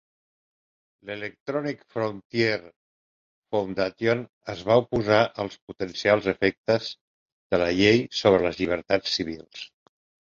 L'Electronic Frontier Foundation es va oposar als potencials efectes de la Llei sobre les llibertats civils.